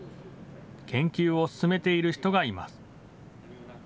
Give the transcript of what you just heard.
研究を進めている人がいます。